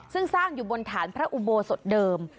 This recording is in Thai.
ซึ่งสร้างอยู่บนฐานพระอุโบสถเดิม